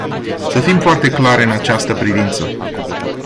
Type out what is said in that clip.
Să fim foarte clari în această privință.